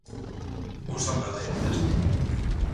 Un sopro de aire fresco.